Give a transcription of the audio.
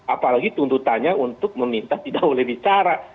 apalagi tuntutannya untuk meminta tidak boleh bicara